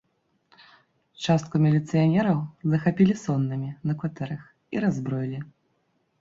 Частку міліцыянераў захапілі соннымі на кватэрах і раззброілі.